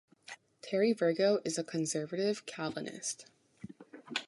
Terry Virgo is a conservative Calvinist.